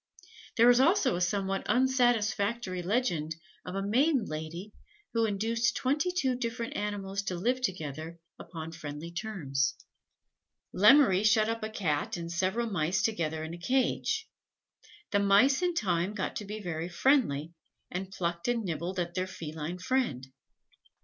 There is also a somewhat unsatisfactory legend of a maiden lady who induced twenty two different animals to live together upon friendly terms. Lemmery shut up a Cat and several Mice together in a cage. The Mice in time got to be very friendly, and plucked and nibbled at their feline friend.